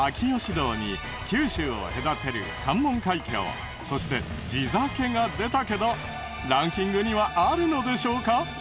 洞に九州を隔てる関門海峡そして地酒が出たけどランキングにはあるのでしょうか？